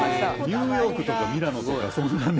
ニューヨークとかミラノとか、そんなね。